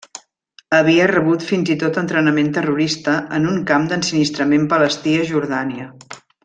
Havia rebut fins i tot entrenament terrorista en un camp d'ensinistrament palestí a Jordània.